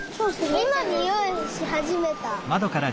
いまにおいしはじめた！